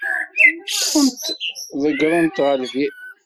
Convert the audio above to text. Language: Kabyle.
Ṭṭfen-t, ḍeggren-t ɣer lbir.